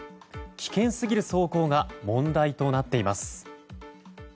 危険すぎる走行が問題となっています。